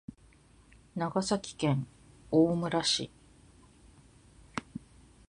長崎県大村市